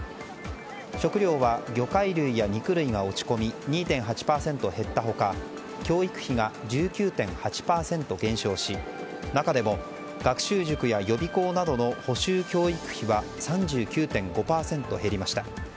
食料は魚介類や肉類が落ち込み２．８％減った他教育費が１９．８％減少し中でも、学習塾や予備校などの補習教育費は３９．５％減りました。